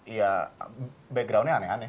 ya backgroundnya aneh aneh